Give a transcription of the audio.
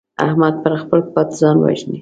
احمد پر خپل پت ځان وژني.